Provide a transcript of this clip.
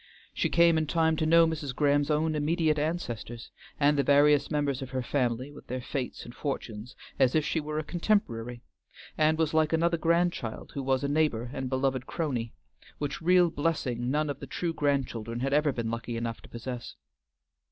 She came in time to know Mrs. Graham's own immediate ancestors, and the various members of her family with their fates and fortunes, as if she were a contemporary, and was like another grandchild who was a neighbor and beloved crony, which real blessing none of the true grandchildren had ever been lucky enough to possess.